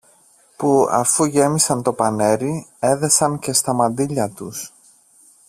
που αφού γέμισαν το πανέρι, έδεσαν και στα μαντίλια τους.